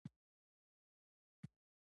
ایا ستاسو تولیه به نرمه وي؟